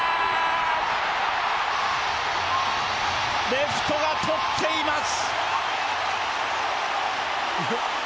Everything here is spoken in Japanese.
レフトが取っています！